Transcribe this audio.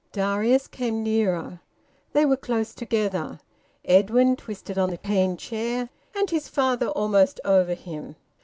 Darius came nearer. They were close together, Edwin twisted on the cane chair, and his father almost over him.